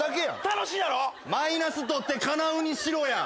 マイナス取って「叶う」にしろや。